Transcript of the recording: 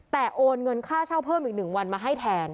แต่โอนเงินค่าเช่าเพิ่มอีก๑วันมาให้แทน